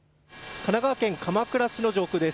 神奈川県鎌倉市の上空です。